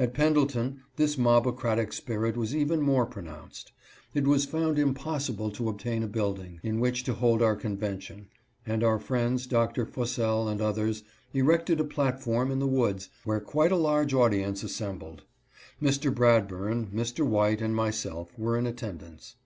At Pendleton this mobocratic spirit was even more pronounced. It was found impossible to obtain a building in which to hold our convention, and our friends, Dr. Fussell and others, erected a platform in the woods, where quite a large audience assembled. Mr. Bradburn, Mr. White and my self were in attendance.